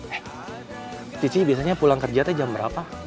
eh cici biasanya pulang kerja teh jam berapa